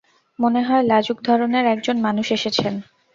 মনে হয় লাজুক ধরনের একজন মানুষ এসেছেন।